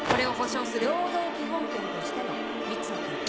労働基本権としての３つの権利。